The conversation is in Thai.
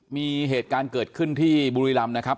มีเหตุการณ์เกิดขึ้นที่บุรีรำนะครับ